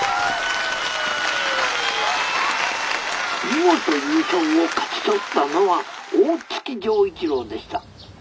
「見事優勝を勝ち取ったのは大月錠一郎でした。